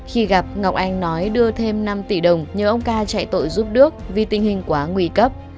khi gặp ngọc anh nói đưa thêm năm tỷ đồng nhờ ông ca chạy tội giúp đước vì tình hình quá nguy cấp